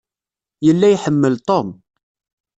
Yella iḥemmel Tom.